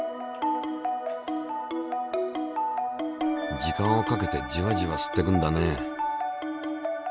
時間をかけてじわじわ吸ってくんだね。